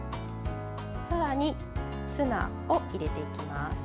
さらに、ツナを入れていきます。